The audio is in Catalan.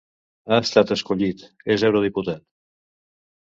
Ha estat escollit, és eurodiputat.